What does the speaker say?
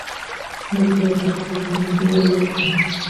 موږ باید پر خپل تاریخ ویاړ وکړو.